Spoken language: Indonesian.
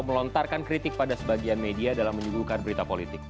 melontarkan kritik pada sebagian media dalam menyuguhkan berita politik